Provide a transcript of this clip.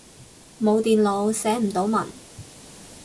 冇電腦，寫唔到文